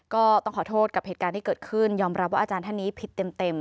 ก็ต้องขอโทษกับเหตุการณ์ที่เกิดขึ้นยอมรับว่าอาจารย์ท่านนี้ผิดเต็ม